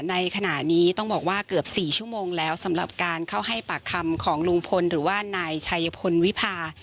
ในขณะนี้ต้องบอกว่าเกือบ๔ชั่วโมงแล้วสำหรับการเข้าให้ปากคำของลุงพลหรือว่านายชัยพลวิพา